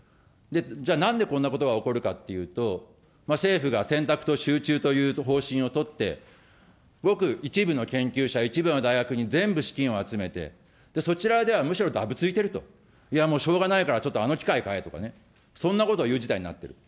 じゃあ、なんでこんなことが起こるかっていうと、政府が選択と集中という方針を取って、ごく一部の研究者、一部の大学に全部資金を集めて、そちらではむしろだぶついていると、いやもうしょうがないからちょっとあの機械買えとか、そんなことをいう事態になっている。